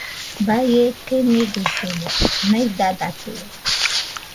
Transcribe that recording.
Baie keniguisɨmo naidadatɨo